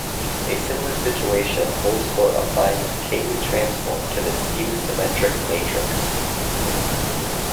A similar situation holds for applying a Cayley transform to the skew-symmetric matrix.